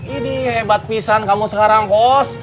ini hebat pisan kamu sekarang kos